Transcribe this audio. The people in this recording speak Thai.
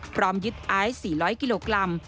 พร้อมยึดไอซ์๔๐๐กิโลกรัม